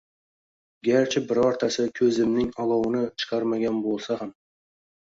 Garchi birortasi koʻzimning olovini chiqarmagan boʻlsa ham!